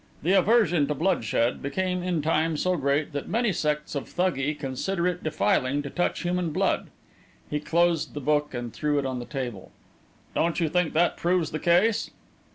The aversion to bloodshed became in time so great that many sects of Thuggee consider it defiling to touch human blood!'" He closed the book and threw it on the table. "Don't you think that proves the case?"